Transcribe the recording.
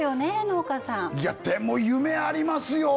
農家さんいやでも夢ありますよ